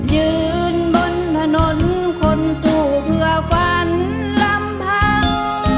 ยืนบนถนนคนสู้เพื่อฝันลำพัง